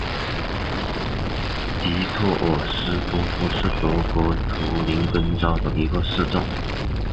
迪特尔斯多夫是德国图林根州的一个市镇。